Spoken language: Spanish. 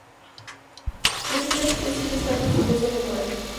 Wilfred, que sigue estando furioso le muerde.